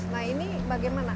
nah ini bagaimana